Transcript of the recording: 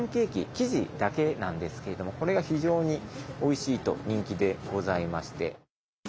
生地だけなんですけれどもこれが非常においしいと人気でございまして。